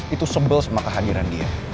itu sebel sama kehadiran dia